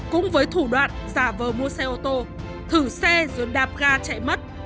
cũng với thủ đoạn giả vờ mua xe ô tô thử xe rồi đạp ga chạy mất